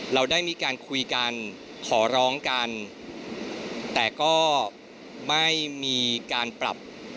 เราได้มีการคุยกันขอร้องกันแต่ก็ไม่มีการปรับ